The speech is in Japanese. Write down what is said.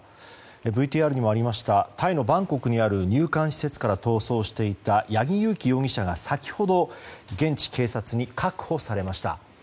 ＶＴＲにもありましたタイのバンコクにある入管施設から逃走していた八木佑樹容疑者が先ほど、現地警察に確保されました。